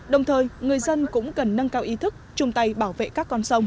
đồng thời người dân cũng cần nâng cao ý thức chung tay bảo vệ các con sông